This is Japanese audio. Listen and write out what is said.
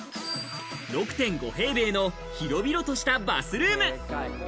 ６．５平米の広々としたバスルーム。